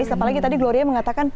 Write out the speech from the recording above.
apalagi tadi gloria mengatakan